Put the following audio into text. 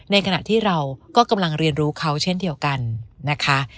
ในขณะที่เราก็กำลังเรียนรู้เขาเช่นเดียวกันนะคะ